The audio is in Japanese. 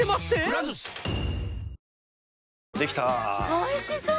おいしそう！